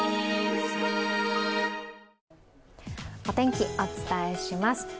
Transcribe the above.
お天気、お伝えします。